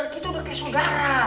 kita udah kayak saudara